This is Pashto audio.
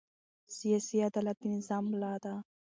سیاسي عدالت د نظام ملا ده